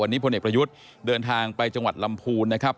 วันนี้พลเอกประยุทธ์เดินทางไปจังหวัดลำพูนนะครับ